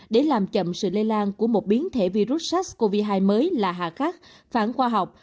để làm chậm sự lây lan của một biến thể virus sars cov hai mới là hạ khắc phản khoa học